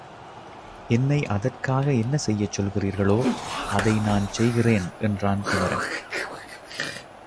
என்னை அதற்காக என்ன செய்யச் சொல்கிறீர்களோ, அதை நான் செய்கிறேன் என்றான் குமரன்.